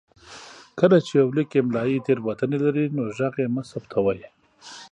کله چې يو ليک املايي تېروتنې لري نو غږ يې مه ثبتوئ.